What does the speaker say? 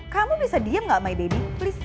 kamu bisa diem gak main baby please